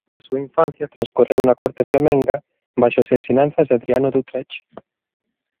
A súa infancia transcorreu na corte flamenga baixo as ensinanzas de Adriano de Utrecht.